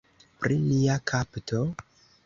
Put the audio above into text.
Pri nia kapto?